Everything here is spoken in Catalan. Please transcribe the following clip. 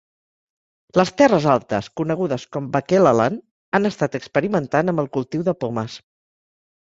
Les terres altes, conegudes com Ba'Kelalan, han estat experimentant amb el cultiu de pomes.